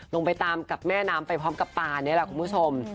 ลงไปตามกับแม่น้ำไปพร้อมกับปลานี่แหละคุณผู้ชม